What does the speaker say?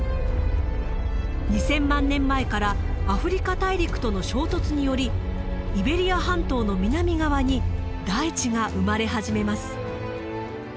２，０００万年前からアフリカ大陸との衝突によりイベリア半島の南側に大地が生まれ始めます。